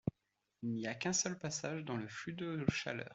Il n'y a qu’un seul passage dans le flux de chaleur.